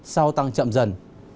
sau tăng chậm dần